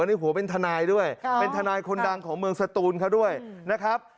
นี่หัวเป็นทนายด้วยเป็นทนายคนดังของเมืองสตูนเขาด้วยนะครับ